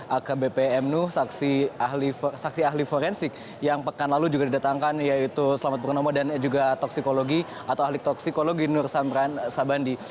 akbp m nuh saksi ahli forensik yang pekan lalu juga didatangkan yaitu selamat purnomo dan juga toksikologi atau ahli toksikologi nur samran sabandi